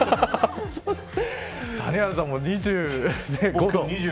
谷原さんも２５度。